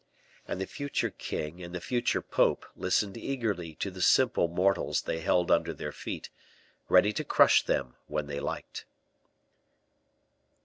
And the future king and the future pope listened eagerly to the simple mortals they held under their feet, ready to crush them when they liked.